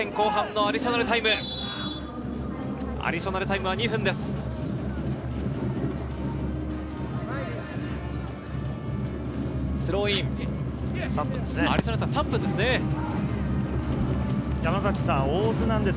アディショナルタイムは２分です。